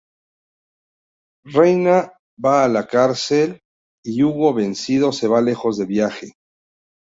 Reina va a la cárcel y Hugo vencido se va lejos de viaje.